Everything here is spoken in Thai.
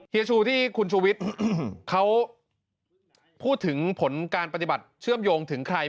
ชูที่คุณชูวิทย์เขาพูดถึงผลการปฏิบัติเชื่อมโยงถึงใคร